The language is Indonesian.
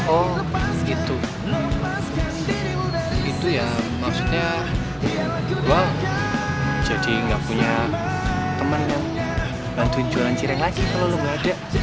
oh gitu itu ya maksudnya gue jadi enggak punya temen yang bantu jualan cireng lagi kalau lo enggak ada